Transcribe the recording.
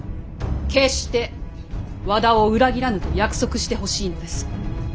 決して和田を裏切らぬと約束してほしいのです。